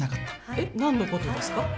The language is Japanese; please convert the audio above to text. えッ何のことですか？